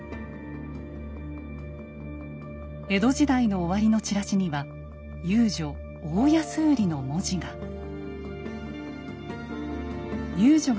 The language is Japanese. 江戸時代の終わりのチラシには「遊女大安売り」の文字が。